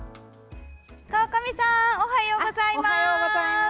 川上さんおはようございます！